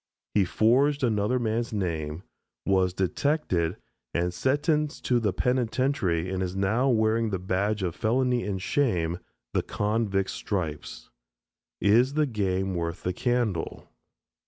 He forged another man's name, was detected, and sentenced to the penitentiary and is now wearing the badge of felony and shame the convict's stripes. Is the game worth the candle?